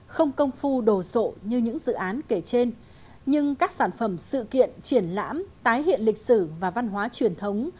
không công phu đồ sộ như những dự án kể trên nhưng các sản phẩm sự kiện triển lãm tái hiện lịch sử và văn hóa truyền thống